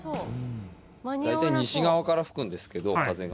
大体西側から吹くんですけど風が。